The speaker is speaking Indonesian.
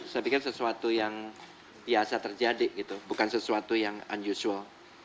saya pikir sesuatu yang biasa terjadi gitu bukan sesuatu yang unusual